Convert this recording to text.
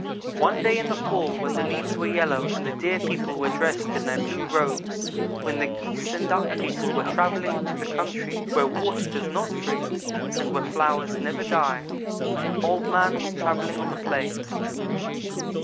"One day in the fall when the leaves were yellow, and the Deer people were dressed in their blue robes when the Geese and Duck people were travelling to the country where water does not freeze, and where flowers never die, Old man was travelling on the plains.